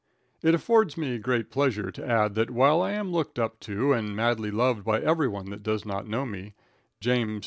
It affords me great pleasure to add that while I am looked up to and madly loved by every one that does not know me, Jas.